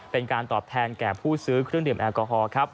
เป็นการตอบแทนแก่ผู้ซื้อเครื่องดื่มแอลกอฮอล์ครับ